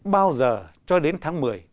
bao giờ cho đến tháng một